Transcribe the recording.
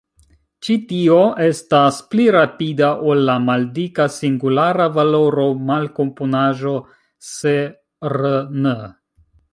Ĉi tio estas pli rapida ol la maldika singulara valoro malkomponaĵo se "r«n".